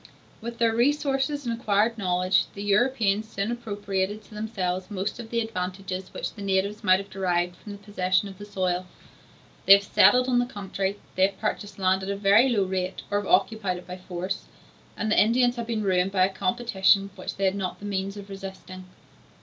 With their resources and acquired knowledge, the Europeans soon appropriated to themselves most of the advantages which the natives might have derived from the possession of the soil; they have settled in the country, they have purchased land at a very low rate or have occupied it by force, and the Indians have been ruined by a competition which they had not the means of resisting.